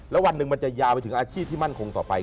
แล้ววันหนึ่งมันจะยาวไปถึงอาชีพที่มั่นคงต่อไป